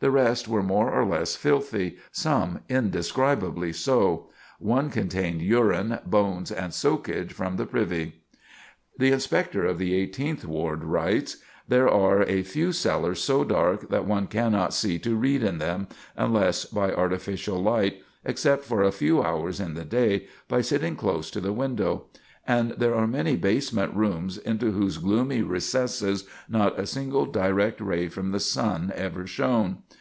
The rest were more or less filthy, some indescribably so. One contained urine, bones, and soakage from the privy." The Inspector of the Eighteenth Ward writes: "There are a few cellars so dark that one cannot see to read in them, unless by artificial light, except for a few hours in the day, by sitting close to the window; and there are many basement rooms into whose gloomy recesses not a single direct ray from the sun ever shone.